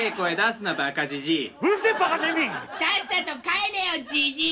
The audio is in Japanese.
・さっさと帰れよじじい！